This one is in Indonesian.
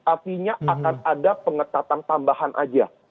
artinya akan ada pengetatan tambahan aja